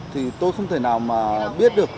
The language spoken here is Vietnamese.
thì tôi không thể nào mà biết được